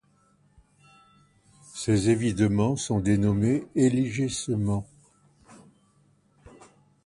Ces évidements sont dénommés élégissements.